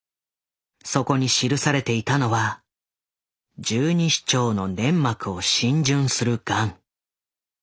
そこに記されていたのは「十二指腸の粘膜を浸潤するガン」。